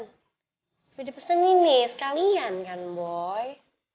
sudah dipesenin nih sekalian kan boy